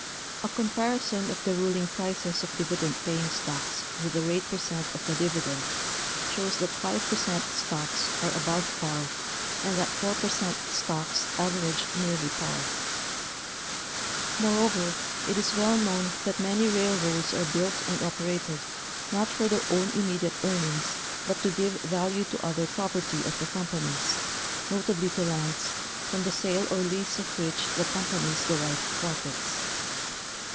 A comparison of the ruling prices of dividend paying stocks with the rate per cent of the dividend shows that 5 per cent stocks are above par and that 4 per cent stocks average nearly par. 256 Statistics of Railways in United States. Moreover, it is well known that many railroads are built and operated, not for their own immediate earnings but to give value to other property of the companies, notably to lands, from the sale or lease of which the companies derive profits.